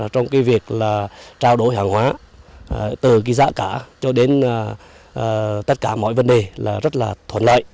trong cái việc là trao đổi hàng hóa từ cái giá cả cho đến tất cả mọi vấn đề là rất là thuận lợi